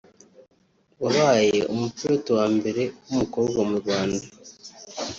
wabaye umupilote wa mbere w’umukobwa mu Rwanda